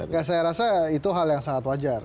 ya saya rasa itu hal yang sangat wajar